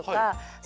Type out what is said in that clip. そう！